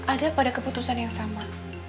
ada pada keputusan yang sama